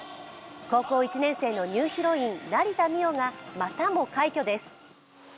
高校１年生のニューヒロイン、成田実生がまたも快挙です。